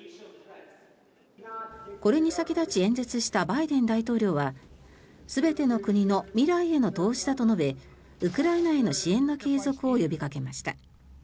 これに先立ち演説したバイデン大統領は全ての国の未来への投資だと述べウクライナへの支援の継続を呼びかけました。